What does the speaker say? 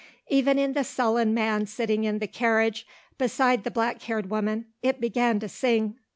Even in the sullen man sitting in the carriage beside the black haired woman it began to sing.